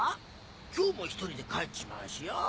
今日も１人で帰っちまうしよ。